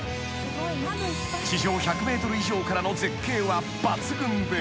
［地上１００ｍ以上からの絶景は抜群で］